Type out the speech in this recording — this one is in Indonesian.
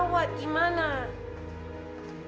kamu ikut aku ke amerika kan